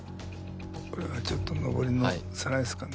これはちょっと上りのスライスかな？